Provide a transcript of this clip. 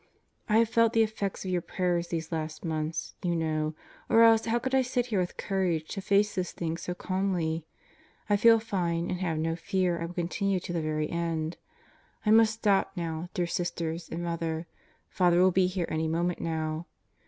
I have felt the effects of your prayers these last months, you know, or else how could I sit here with courage to face this thing so Last Day on Earth 199 calmly. I feel fine and have no fear I will continue to the very end. I must stop now, dear Sisters and Mother. Father will be here any moment now.